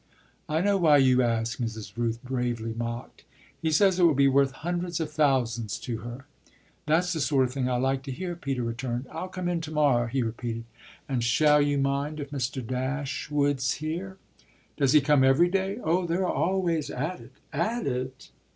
"I know why you ask!" Mrs. Rooth bravely mocked. "He says it will be worth hundreds of thousands to her." "That's the sort of thing I like to hear," Peter returned. "I'll come in to morrow," he repeated. "And shall you mind if Mr. Dash wood's here?" "Does he come every day?" "Oh they're always at it." "At it